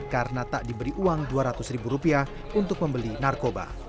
karena tak diberi uang dua ratus ribu rupiah untuk membeli narkoba